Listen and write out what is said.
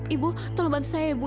ibu tolong bantu saya ya ibu